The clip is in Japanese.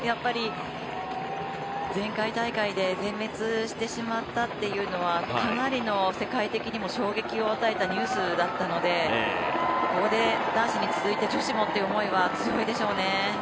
前回大会で全滅してしまったっていうのはかなりの世界的にも衝撃を与えたニュースだったのでここで男子に続いて女子もという思いは強いでしょうね。